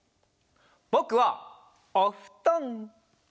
ぼくはおふとん！